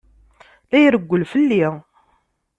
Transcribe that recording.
La irewwel fell-i.